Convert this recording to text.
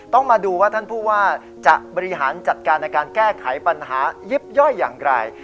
ต้องมาดูว่าท่านผู้ว่าจะบริหารจัดการในการแก้ไขปัญหายิบย่อยอย่างไร